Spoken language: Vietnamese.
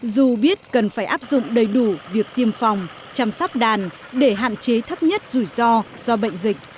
dù biết cần phải áp dụng đầy đủ việc tiêm phòng chăm sóc đàn để hạn chế thấp nhất rủi ro do bệnh dịch